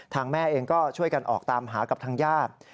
แม่เองก็ช่วยกันออกตามหากับทางญาติ